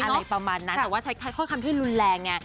อะไรประมาณนั้นแต่ว่าใช้ข้อคำที่รุนแรงไง